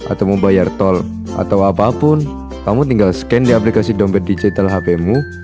atau mau bayar tol atau apapun kamu tinggal scan di aplikasi dompet digital hp mu